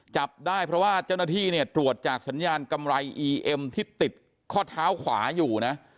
จับได้เพราะว่าเจ้าหน้าที่เนี่ยตรวจจากสัญญาณกำไรอีเอ็มที่ติดข้อเท้าขวาอยู่นะ